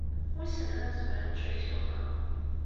Wissen ma nezmer ad nečč aksum-a.